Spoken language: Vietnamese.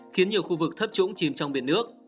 khiến nhiều khu vực thấp trũng chìm trong biển nước